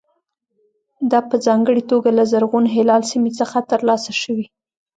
دا په ځانګړې توګه له زرغون هلال سیمې څخه ترلاسه شوي.